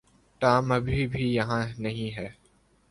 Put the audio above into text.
Tom ابھی بھی یہاں نہیں ہے۔